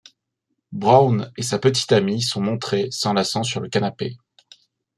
Brown et sa petite-amie sont montrés, s'enlaçant sur le canapé.